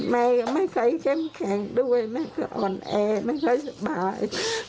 แม่ยังไม่เคยเข้มแข็งด้วยแม่ก็อ่อนแอไม่ค่อยสบาย